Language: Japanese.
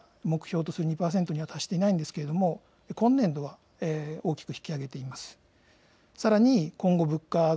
来年度、再来年度は目標とする２％には達していないんですけれども、今年度は大きく引き上げています。